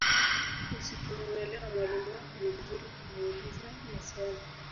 Usipomwelewa mwalimu wako ni vizuri kumuuliza maswali.